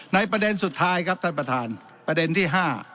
ประเด็นสุดท้ายครับท่านประธานประเด็นที่๕